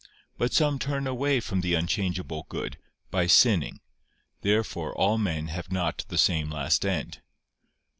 But some turn away from the unchangeable good, by sinning. Therefore all men have not the same last end.